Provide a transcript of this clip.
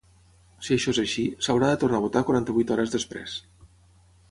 Si això és així, s’haurà de tornar a votar quaranta-vuit hores després.